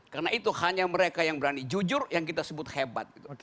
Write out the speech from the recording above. karena itu hanya mereka yang berani jujur yang kita sebut hebat